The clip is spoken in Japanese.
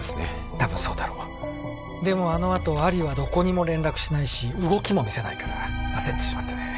たぶんそうだろうでもあのあとアリはどこにも連絡しないし動きも見せないから焦ってしまってね